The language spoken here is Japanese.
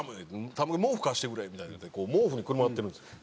たむけん毛布貸してくれ」みたいなん言うて毛布に包まってるんですよ。